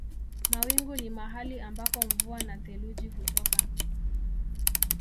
Mawingu ni mahali ambako mvua na theluji hutoka.